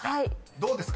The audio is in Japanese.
［どうですか？